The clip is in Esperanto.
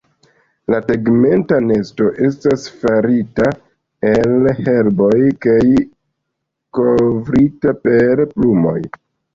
La tegmenta nesto estas farita el herboj kaj kovrita per plumoj.